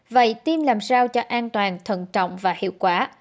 vậy tiêm làm sao cho an toàn thận trọng và hiệu quả